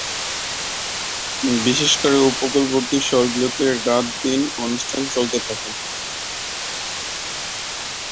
বিশেষ করে উপকূলবর্তী শহরগুলোতে রাত-দিন অনুষ্ঠান চলতে থাকে।